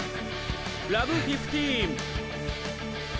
ラブ・フィフティーン！